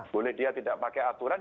boleh dia tidak pakai aturan